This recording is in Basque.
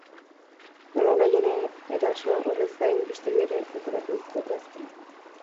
Nolanahi ere, eraso horrez gain, beste bi ere leporatu dizkiote azkenean.